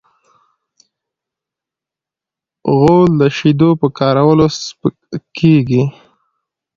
غول د شیدو په کارولو سپکېږي.